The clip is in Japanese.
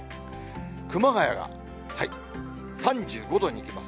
熊谷が３５度にいきます。